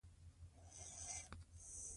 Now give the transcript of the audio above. ایوب خان بیرغ ورته تسلیم کړ.